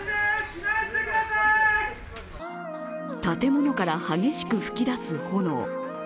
建物から激しく噴き出す炎。